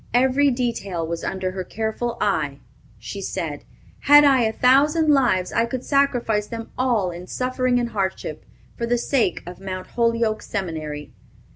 Every detail was under her careful eye. She said: "Had I a thousand lives, I could sacrifice them all in suffering and hardship, for the sake of Mount Holyoke Seminary.